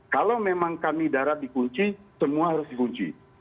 kalau memang kami darat dikunci semua harus dikunci